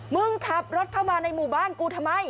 มึงขับรถเข้ามาในหมู่บ้านกูทำไม